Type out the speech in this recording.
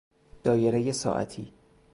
دایره ساعتی